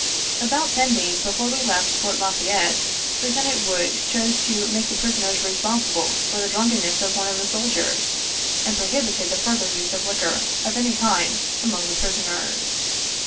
About ten days before we left Fort La Fayette, Lieu tenant Wood chose to make the prisoners responsible for the drunkenness of one of the soldiers, and prohibited the fur ther use of liquor, of any kind, among the prisoners.